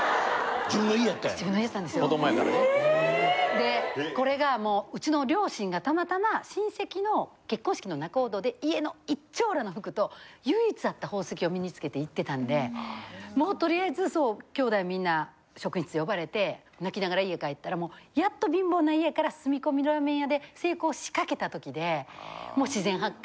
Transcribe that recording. ・でこれがもううちの両親がたまたま親戚の結婚式の仲人で家の一張羅の服と唯一あった宝石を身につけて行ってたんでもうとりあえずきょうだいみんな職員室呼ばれて泣きながら家帰ったらやっと貧乏な家から住み込みラーメン屋で成功しかけた時でもう自然発火。